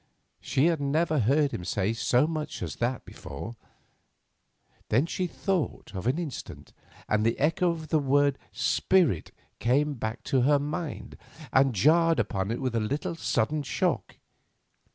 She had never heard him say so much as that before. Then she thought an instant, and the echo of the word "spirit" came back to her mind, and jarred upon it with a little sudden shock.